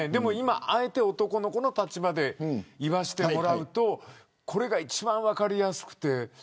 あえて男の子の立場で言わせてもらうとこれが一番分かりやすくて。